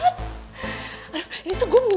satu misi sedang dijangankan